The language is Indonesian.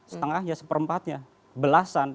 setengahnya seperempatnya belasan